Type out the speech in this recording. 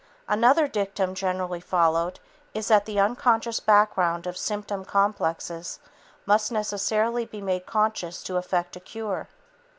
"Another dictum generally followed is that the unconscious background of symptom complexes must necessarily be made conscious to effect a cure.